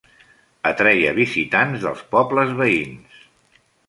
Atreia visitants dels pobles veïns.